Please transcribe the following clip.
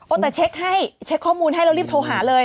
แต่เช็คให้เช็คข้อมูลให้แล้วรีบโทรหาเลย